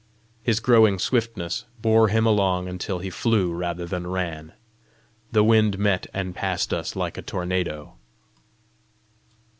His growing swiftness bore him along until he flew rather than ran. The wind met and passed us like a tornado.